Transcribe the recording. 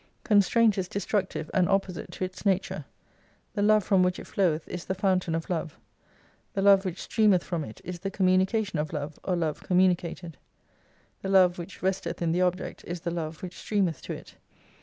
Constraint is destructive and opposite to its nature. The Love from which it flow eth is the fountain of Love. The Love which streameth from it, is the communication of Love, or Love com mtinicated. The Love which resteth in the object is the Love which streameth to it.